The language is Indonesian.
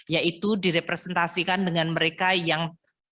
yaitu direpresentasikan dengan mereka yang